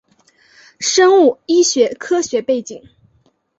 生物医学科学背景